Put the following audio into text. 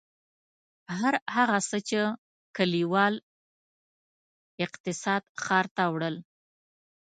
هر هغه څه چې کلیوال اقتصاد ښار ته وړل.